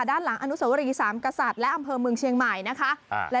ด้านหลังอนุสวรีสามกษัตริย์และอำเภอเมืองเชียงใหม่นะคะ